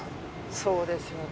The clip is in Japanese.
そうですよね。